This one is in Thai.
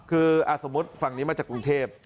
คือสมมุติฝั่งนี้มาจากกรุงเทพ